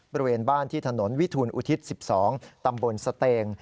บริเวณบ้านที่ถนนวิทูลอุทิศ๑๒ตำบลสเตง